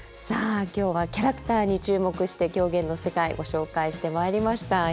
さあ今日はキャラクターに注目して狂言の世界ご紹介してまいりました。